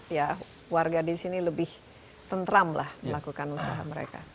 ya warga di sini lebih tentram lah melakukan usaha mereka